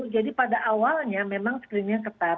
jadi pada awalnya memang screeningnya ketat